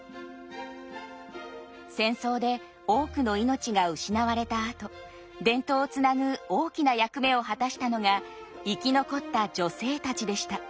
戦争で多くの命が失われたあと伝統をつなぐ大きな役目を果たしたのが生き残った女性たちでした。